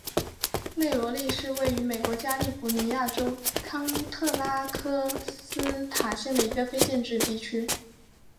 内罗利是位于美国加利福尼亚州康特拉科斯塔县的一个非建制地区。